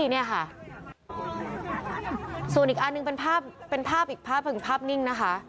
ส่วนอีกอันนึงเป็นภาพหนิ่งนะคะ